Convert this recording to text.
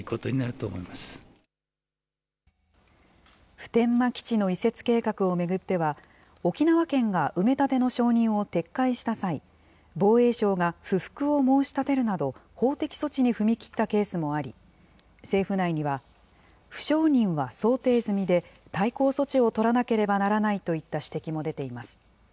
普天間基地の移設計画を巡っては、沖縄県が埋め立ての承認を撤回した際、防衛省が不服を申し立てるなど、法的措置に踏み切ったケースもあり、政府内には不承認は想定済みで、対抗措置を取らなければならないといった指摘も出ています。